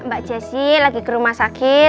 mbak jessi lagi ke rumah sakit